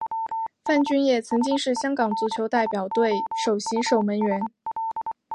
范俊业曾经是香港足球代表队首席守门员。